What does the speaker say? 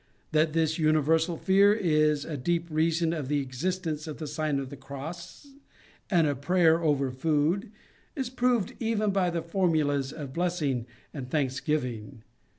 That this universal fear is a deep reason of the existence of the Sign of the Cross and of prayer over food, is proved even by the formulas of blessing and thanks giving.